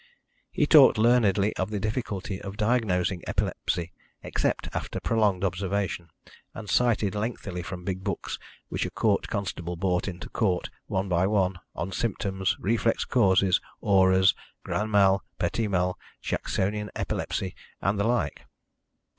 He talked learnedly of the difficulty of diagnosing epilepsy except after prolonged observation, and cited lengthily from big books, which a court constable brought into court one by one, on symptoms, reflex causes, auras, grand mal, petit mal, Jacksonian epilepsy, and the like.